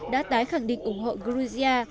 đã tái khẳng định ủng hộ georgia